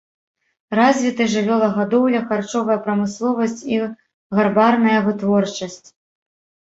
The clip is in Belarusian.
Развіты жывёлагадоўля, харчовая прамысловасць і гарбарная вытворчасць.